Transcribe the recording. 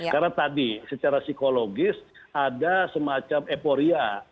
karena tadi secara psikologis ada semacam eporia